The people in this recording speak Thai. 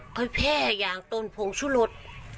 คอยแพร่อย่างต้นพงชุฬด